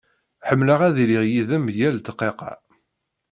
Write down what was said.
Ḥemleɣ ad iliɣ yid-m yal dqiqa.